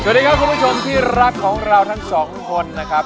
สวัสดีครับคุณผู้ชมที่รักของเราทั้งสองคนนะครับ